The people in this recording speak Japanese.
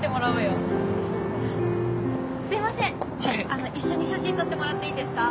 ・あの一緒に写真撮ってもらっていいですか？